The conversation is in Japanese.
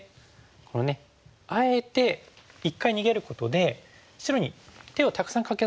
このねあえて一回逃げることで白に手をたくさんかけさせるんですよね。